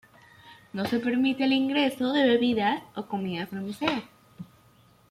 No se permite el ingreso de bebidas o comida al museo.